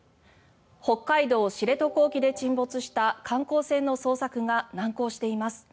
北海道・知床沖で沈没した観光船の捜索が難航しています。